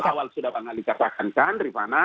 kalau dari awal awal sudah bang ali katakan kan rifana